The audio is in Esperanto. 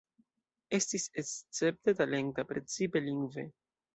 Estis escepte talenta, precipe lingve.